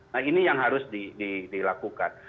nah ini yang harus dilakukan